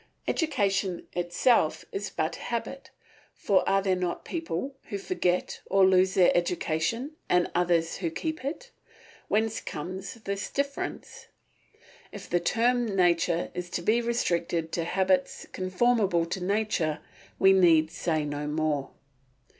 Education itself is but habit, for are there not people who forget or lose their education and others who keep it? Whence comes this difference? If the term nature is to be restricted to habits conformable to nature we need say no more.